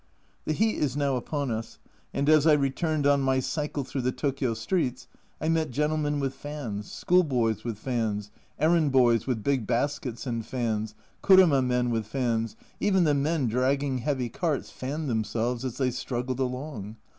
The heat is now upon us, and as I returned on my cycle through the Tokio streets I met gentlemen with fans, schoolboys with fans, errand boys with big baskets and fans, kuruma men with fans, even the men dragging heavy carts fanned themselves as they struggled along.